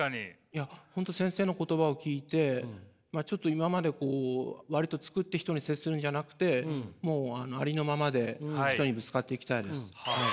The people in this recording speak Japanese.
いや本当先生の言葉を聞いてちょっと今まで割と作って人に接するんじゃなくてもうありのままで人にぶつかっていきたいです。